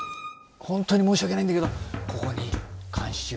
本当に申し訳ないんだけどここに監視用。